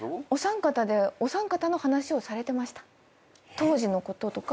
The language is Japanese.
当時のこととか。